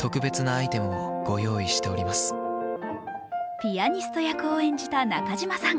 ピアニスト役を演じた中島さん。